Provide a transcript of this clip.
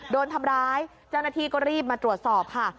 โดนทำร้ายเจ้าหน้าที่ก็รีบมาตรวจสอบค่ะ